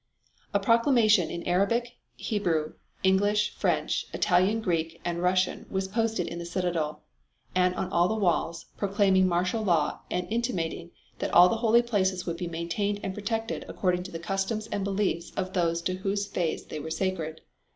A proclamation in Arabic, Hebrew, English, French, Italian Greek and Russian was posted in the citadel, and on all the walls proclaiming martial law and intimating that all the holy places would be maintained and protected according to the customs and beliefs of those to whose faith they were sacred.